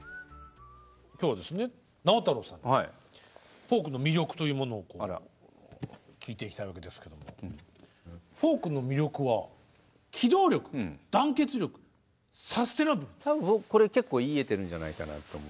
今日ですね直太朗さんにフォークの魅力というものを聞いていきたいわけですけどフォークの魅力は僕これ結構言い得てるんじゃないかなと思うんですよね。